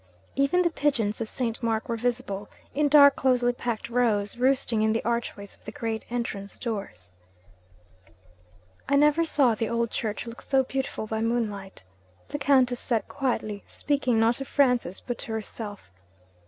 Even the pigeons of St. Mark were visible, in dark closely packed rows, roosting in the archways of the great entrance doors. 'I never saw the old church look so beautiful by moonlight,' the Countess said quietly; speaking, not to Francis, but to herself.